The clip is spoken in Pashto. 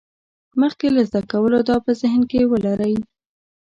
مخکې له زده کولو دا په ذهن کې ولرئ.